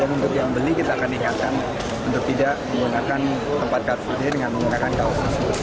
dan untuk yang beli kita akan ingatkan untuk tidak menggunakan tempat car free day dengan menggunakan kaos